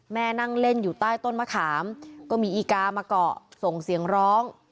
นั่งเล่นอยู่ใต้ต้นมะขามก็มีอีกามาเกาะส่งเสียงร้อง